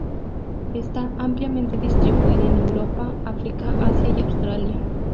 Está ampliamente distribuida en Europa, África, Asia y Australia.